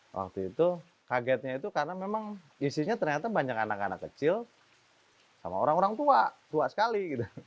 waktu itu kagetnya itu karena memang isinya ternyata banyak anak anak kecil sama orang orang tua tua sekali